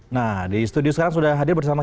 nah di studio sekarang sudah hadir bersama